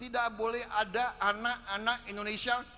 tidak boleh ada anak anak indonesia